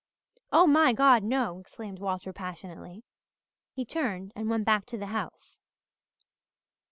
"Oh, my God, no!" exclaimed Walter passionately. He turned and went back to the house.